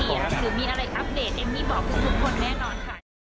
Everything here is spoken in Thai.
ก็วันนี้ยอมรับค่ะว่าเรื่องทั้งหมดที่พูดหรือที่โพสต์ไทยเป็นเรื่องจริงนะคะ